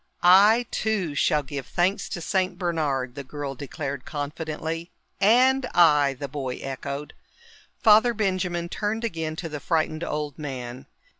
"I, too, shall give thanks to Saint Bernard," the girl declared confidently. "And I," the boy echoed. Father Benjamin turned again to the frightened old man.